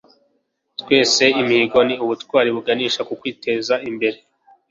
kwesa imihigo ni ubutwari buganisha ku kwiteza imbere